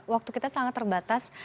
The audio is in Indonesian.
waktu kita sangat terbatas